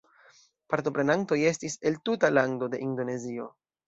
Partoprenantoj estis el tuta lando de Indonezio.